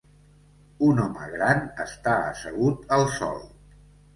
Un home gran està assegut al sol.